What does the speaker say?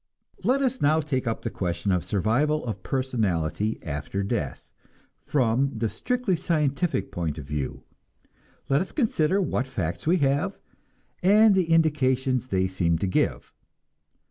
Let us now take up the question of survival of personality after death from the strictly scientific point of view; let us consider what facts we have, and the indications they seem to give.